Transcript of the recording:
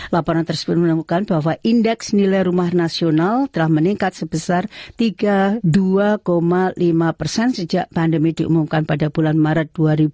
laporan tersebut menemukan bahwa indeks nilai rumah nasional telah meningkat sebesar tiga puluh dua lima persen sejak pandemi diumumkan pada bulan maret dua ribu dua puluh